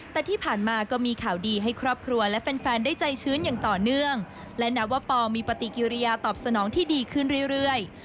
แต่ที่ผ่านมาก็มีข่าวดีให้ครอบครัวและแฟนได้ใจชื้นอย่างต่อเนื่องและนับว่าปอมีปฏิกิริยาตอบสนองที่ดีขึ้นเรื่อย